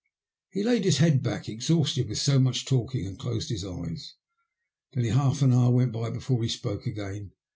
He laid his head back, exhausted with so much talking, and closed his eyes. Nearly half an hour went by before he spoke again.